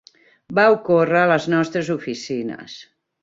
Va ocórrer a les nostres oficines.